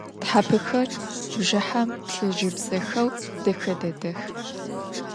Thapexer bjjıhem plhıjıbzexeu dexe dedex.